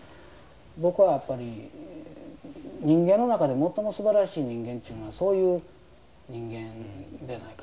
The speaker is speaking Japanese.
僕は人間の中で最もすばらしい人間というのはそういう人間でないか。